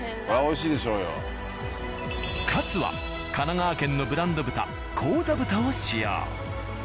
カツは神奈川県のブランド豚高座豚を使用。